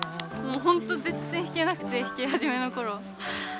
もう本当全然弾けなくて弾き始めの頃。